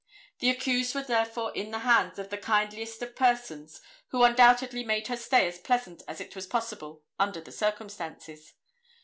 The accused was therefore in the hands of the kindliest of persons who undoubtedly made her stay as pleasant as it was possible under the circumstances.